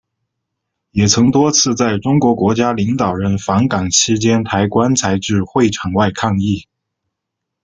也曾多次在中国国家领导人访港期间抬棺材至会场外抗议。